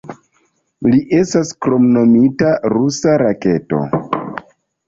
Li estas kromnomita "Rusa Raketo".